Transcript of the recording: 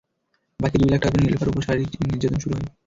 বাকি দুই লাখ টাকার জন্য নিলুফার ওপর শারীরিক নির্যাতন শুরু হয়।